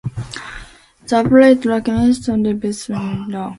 The ovate or lanceolate leaves measure up to long.